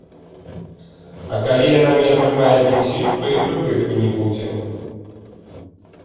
А калі яна не атрымае бензін, то і прыбытку не будзе.